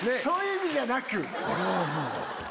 そういう意味じゃなく。